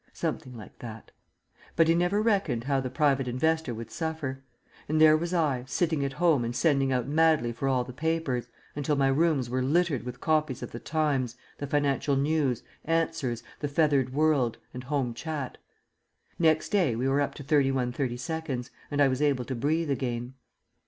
Something like that. But he never recked how the private investor would suffer; and there was I, sitting at home and sending out madly for all the papers, until my rooms were littered with copies of The Times, The Financial News, Answers, The Feathered World, and Home Chat. Next day we were up to 31/32, and I was able to breathe again.